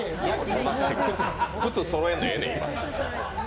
靴そろえんでええねん、今。